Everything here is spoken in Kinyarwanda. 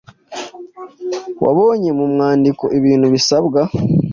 wabonye mu mwandiko ibintu bisabwa